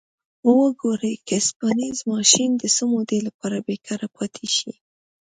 وګورئ که اوسپنیز ماشین د څه مودې لپاره بیکاره پاتې شي.